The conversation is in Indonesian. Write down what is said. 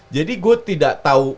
jadi aku tidak tahu